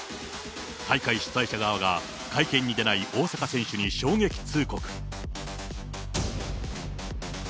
大会主催者側が会見に出ない大坂選手に衝撃通告。